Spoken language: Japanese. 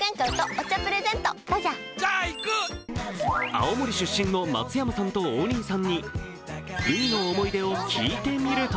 青森出身の松山さんと王林さんに海の思い出を聞いてみると